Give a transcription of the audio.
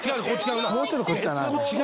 もうちょっとこっちだな